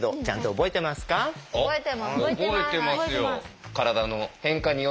覚えてますよ。